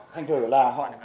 thành thử là họ